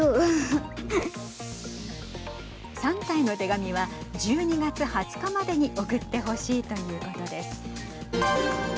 サンタへの手紙は１２月２０日までに送ってほしいということです。